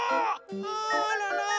あらら。